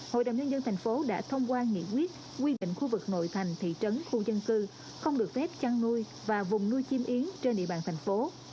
hội đồng nhân dân thành phố đã thông qua nghị quyết quy định khu vực nội thành thị trấn khu dân cư không được phép chăn nuôi và vùng nuôi chim yến trên địa bàn thành phố